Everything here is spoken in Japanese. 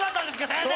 先生！